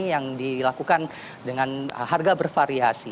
yang dilakukan dengan harga bervariasi